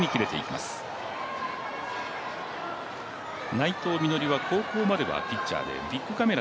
内藤実穂は高校まではピッチャーでビックカメラ